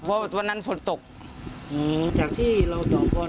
เพราะวันนั้นฝนตกอืมจากที่เราเตาะบอล